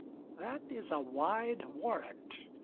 That is a wide warrant.